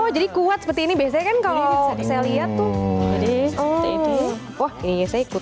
jadi kuat seperti ini biasanya kan kalau saya lihat tuh